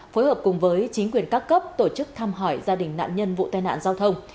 phối hợp cùng với chính quyền các cấp tổ chức thăm hỏi gia đình nạn nhân vụ tai nạn giao thông